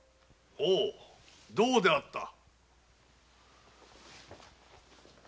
オゥどうであった？